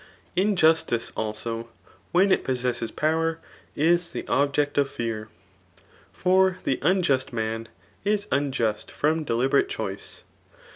^ Injustice, ako, when it possesses power is the object of fear ; for te vnjust man is unjust from deliberate choice.